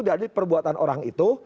diadit perbuatan orang itu